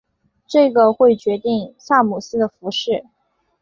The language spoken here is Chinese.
这个会决定萨姆斯的服饰。